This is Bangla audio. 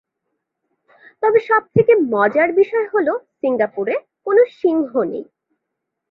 তবে সবথেকে মজার বিষয় হল সিঙ্গাপুরে কোন সিংহ নেই।